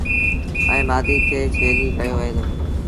ائيٚݩ مآڌي کي ڇيليٚ ڪهيو وهي دو۔